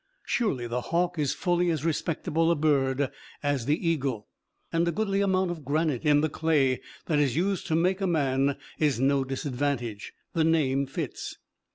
Surely the hawk is fully as respectable a bird as the eagle, and a goodly amount of granite in the clay that is used to make a man is no disadvantage. The name fits.